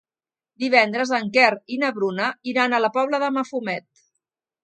Divendres en Quer i na Bruna iran a la Pobla de Mafumet.